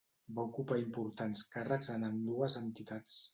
Va ocupar importants càrrecs en ambdues entitats.